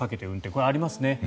これ、ありますね。